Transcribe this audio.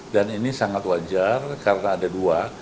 dan ini sangat wajar karena ada dua